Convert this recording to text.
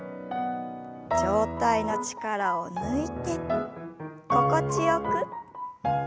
上体の力を抜いて心地よく。